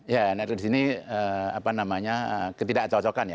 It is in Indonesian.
ya netizen di sini apa namanya ketidak cocokan ya